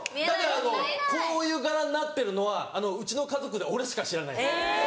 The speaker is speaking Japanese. こういう柄になってるのはうちの家族で俺しか知らない。